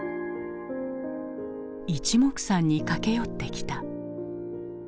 いちもくさんに駆け寄ってきた。